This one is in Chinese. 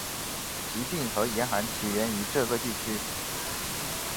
疾病和严寒起源于这个地区。